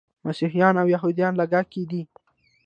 مسیحیان او یهودان لږکي دي.